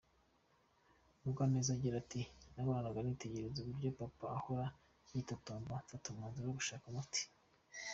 Mugwaneza agira ati, « nahoraga nitegereza uburyo papa ahora yitotomba, mfata umwanzuro wo gushaka umuti.